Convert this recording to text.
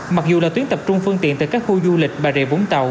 mặc dù là tuyến tập trung phương tiện từ các khu du lịch bà rịa bốn tàu